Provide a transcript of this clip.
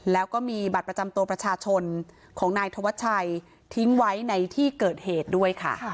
แล้วก็มีบัตรประจำตัวประชาชนของนายธวัชชัยทิ้งไว้ในที่เกิดเหตุด้วยค่ะ